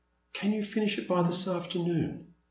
Can you finish it by this afternoon?